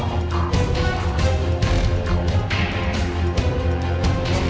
mama punya rencana